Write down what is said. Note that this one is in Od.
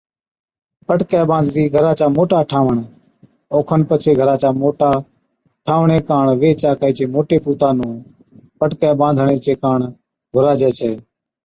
پٽڪَي ٻانڌتِي گھرا چا موٽا ٺاهوڻ، اوکن پڇي گھرا چا موٽا ٺاھوڻي ڪاڻ ويھِچ آڪھِي چي موٽي پُوتا نُون پٽڪَي ٻانڌڻي چي ڪاڻ گھُراجَي ڇَي